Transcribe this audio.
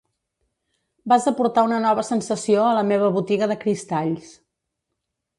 Vas aportar una nova sensació a la meva botiga de cristalls.